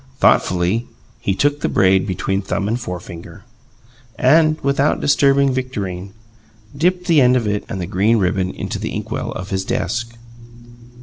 Thoughtfully, he took the braid between thumb and forefinger, and, without disturbing Victorine, dipped the end of it and the green ribbon into the inkwell of his desk.